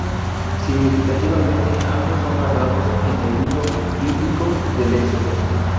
Significativamente, ambos son narrados en el libro bíblico del Éxodo.